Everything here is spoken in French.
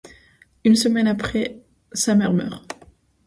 Une semaine après, sa mère meurt.